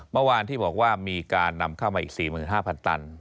เมื่อวานที่บอกว่ามีการนำเข้ามาอีก๔๕๐๐ตัน